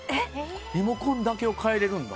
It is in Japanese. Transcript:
リモコンだけを買えられるんだ。